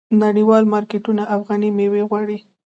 نړیوال مارکیټونه افغاني میوې غواړي.